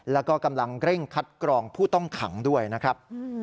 แล้วก็กำลังเร่งคัดกรองผู้ต้องขังด้วยนะครับ